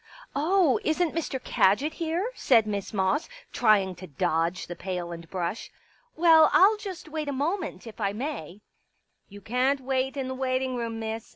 " Oh, isn't Mr. Kadgit here ?" said Miss Moss, trying to dodge the pail and brush. " Well, I'll just wait a moment, if I may." " You can't wait in the waiting room, Miss.